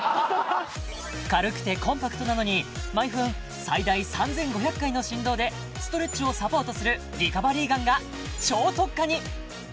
軽くてコンパクトなのに毎分最大３５００回の振動でストレッチをサポートするリカバリーガンが超特価に！